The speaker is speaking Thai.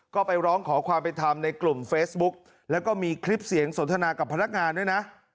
ก็ไปร้องขอความเป็นธรรมในกลุ่มเฟซบุ๊กแล้วก็มีคลิปเสียงสนทนากับพนักงานด้วยนะ